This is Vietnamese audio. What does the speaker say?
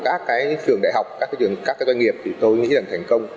của các cái trường đại học các cái doanh nghiệp thì tôi nghĩ là thành công